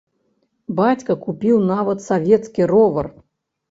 Бацька купіў нават савецкі ровар.